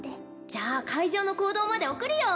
じゃあ会場の講堂まで送るよ！